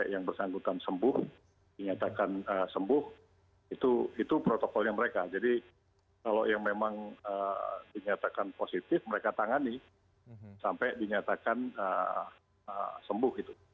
jadi kalau yang memang ternyata positif mereka tangani sampai dinyatakan sembuh itu